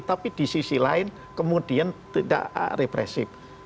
tapi di sisi lain kemudian tidak represif